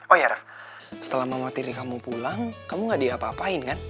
oh iya ref setelah mama tiri kamu pulang kamu gak diapa apain kan